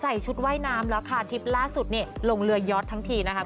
ใส่ชุดว่ายน้ำแล้วคาร์ทริปล่าสุดลงเรือยอดทั้งทีนะครับ